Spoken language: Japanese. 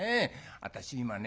私今ね